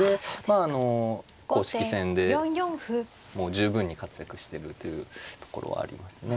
あの公式戦でもう十分に活躍してるというところはありますね。